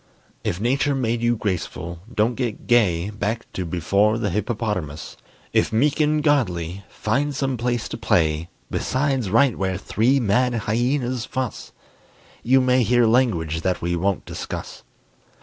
If Nature made you graceful, don't get gay Back to before the hippopotamus; If meek and godly, find some place to play Besides right where three mad hyenas fuss; You may hear language that we won't discuss.